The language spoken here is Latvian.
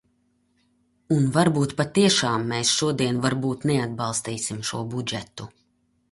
Un varbūt patiešām mēs šodien varbūt neatbalstīsim šo budžetu.